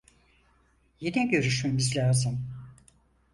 Yine görüşmemiz lazım…